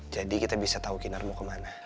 jadi kita bisa tahu kinar mau kemana